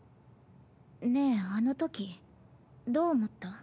ねえあのときどう思った？